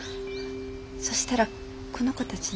そしたらこの子たちに。